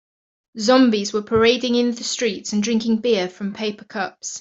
Zombies were parading in the streets and drinking beer from paper cups.